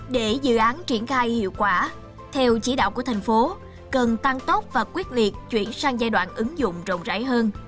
để dự án triển khai hiệu quả theo chỉ đạo của thành phố cần tăng tốc và quyết liệt chuyển sang giai đoạn ứng dụng rộng rãi hơn